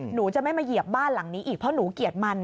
หนูจะไม่มาเหยียบบ้านหลังนี้อีกเพราะหนูเกลียดมัน